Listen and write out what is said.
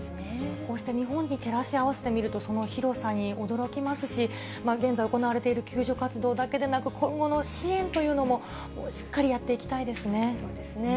こうして日本に照らし合わせてみると、その広さに驚きますし、現在行われている救助活動だけでなく、今後の支援というのも、そうですね。